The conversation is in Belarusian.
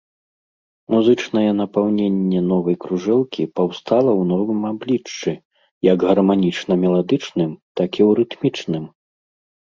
Музычнае напаўненне новай кружэлкі паўстала ў новым абліччы, як гарманічна-меладычным, так і ў рытмічным.